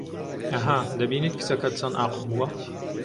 ئەها، دەبینیت کچەکەت چەند ئاقڵ بووە